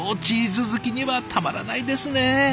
チーズ好きにはたまらないですね。